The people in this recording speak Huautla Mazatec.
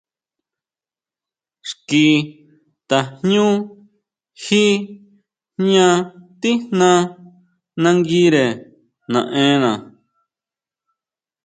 Xki tajñú ji jña tijna nguijñare naʼena.